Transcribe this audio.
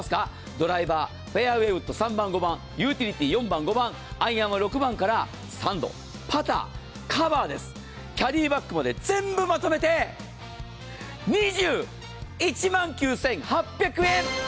ドライバー、フェアウェーウッド３番、５番、ユーティリティー４番、５番、アイアンは６番から３度、パター、カバーです、キャディーバッグまで全部まとめて２１万９８００円！